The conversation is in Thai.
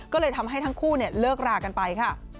ก็เลยทำให้ทั้งคู่เลิกรากันไปค่ะ